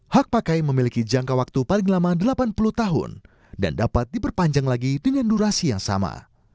hak pakai memiliki jangka waktu paling lama delapan puluh tahun dan dapat diperpanjang lagi dengan durasi yang sama